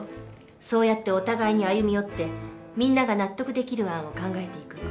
そうやってお互いに歩み寄ってみんなが納得できる案を考えていくの。